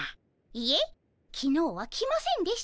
いえきのうは来ませんでした。